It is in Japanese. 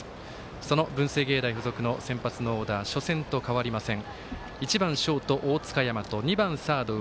その文星芸大付属の先発のオーダー初戦から変わりません。